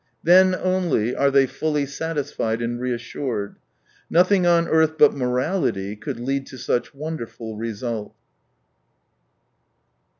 Then only are they fully satisfied and reassured. Nothing on earth but morality could lead to such wonderful results.